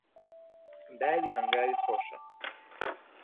باوی هەنگاوی خۆشە